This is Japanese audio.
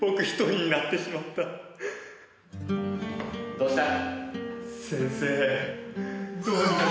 どうした？